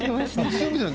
塩見さん